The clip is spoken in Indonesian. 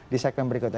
di segmen berikutnya